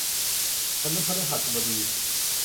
มนุษย์พฤหัสบดี